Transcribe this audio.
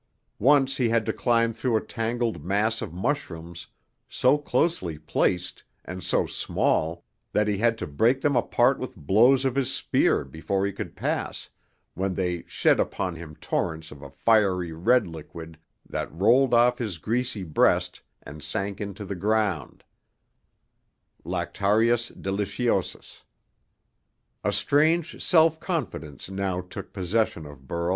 Once he had to climb through a tangled mass of mushrooms so closely placed, and so small, that he had to break them apart with blows of his spear before he could pass, when they shed upon him torrents of a fiery red liquid that rolled off his greasy breast and sank into the ground (Lactarius deliciosus). A strange self confidence now took possession of Burl.